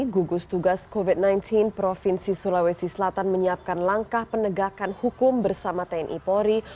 gugus tugas covid sembilan belas provinsi sulawesi selatan menyiapkan langkah penegakan hukum bersama tni polri